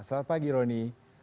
selamat pagi roni